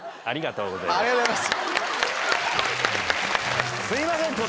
ありがとうございます。